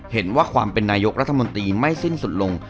เห็นว่าความเป็นนายกรัฐมนตรีไม่สิ้นสุดลง